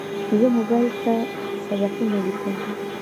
زه موبایل ته سبقونه لیکم.